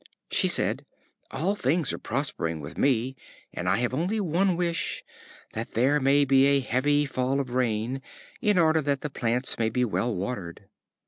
She said: "All things are prospering with me, and I have only one wish, that there may be a heavy fall of rain, in order that the plants may be well watered."